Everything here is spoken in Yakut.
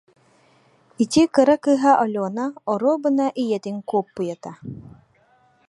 Ити кыра кыыһа Алена оруобуна ийэтин куоппуйата